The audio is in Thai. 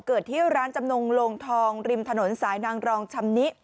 ที่ร้านจำนงโลงทองริมถนนสายนางรองชำนิ